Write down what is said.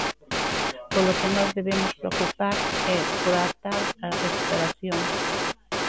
Polo que nos debemos preocupar é por atar a recuperación.